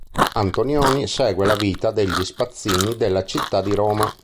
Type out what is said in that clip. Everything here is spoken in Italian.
Antonioni segue la vita degli spazzini della città di Roma.